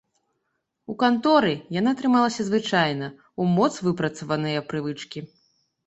У канторы яна трымалася звычайна, у моц выпрацаванае прывычкі.